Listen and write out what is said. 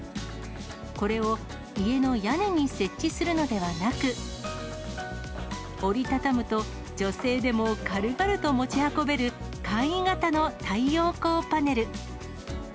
これを家の屋根に設置するのではなく、折り畳むと、女性でも軽々と持ち運べる、簡易型の太陽光パネル。